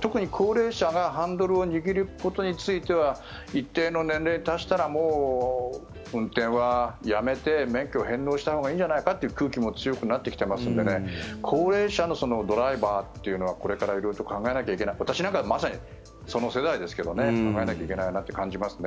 特に高齢者がハンドルを握ることについては一定の年齢に達したらもう運転はやめて免許を返納したほうがいいんじゃないかという空気も強くなってきているので高齢者のドライバーというのはこれから色々と考えなきゃいけない私なんかまさにその世代ですけど考えなきゃいけないなと感じますね。